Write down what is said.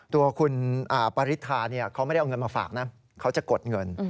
ตัวคุณปริธาเขาไม่ได้เอาเงินมาฝากนะเขาจะกดเงิน